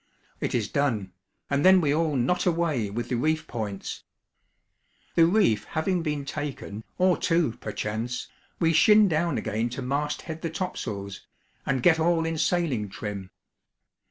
It is done, and then we all 'knot away' with the reef points. The reef having been taken (or two, perchance), we shin down again to mast head the topsails, and get all in sailing trim.